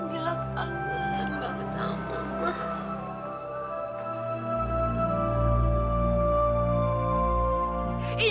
bila tahu mbak aku sama mama